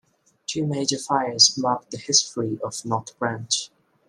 Two major fires mark the history of North Branch.